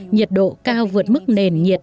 nhiệt độ cao vượt mức nền nhiệt